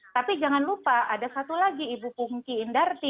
tapi jangan lupa ada satu lagi ibu pungki indarti